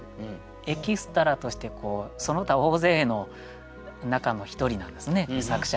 エキストラとしてその他大勢の中の一人なんですね作者は。